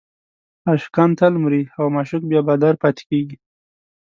عاشق تل مریی او معشوق بیا بادار پاتې کېږي.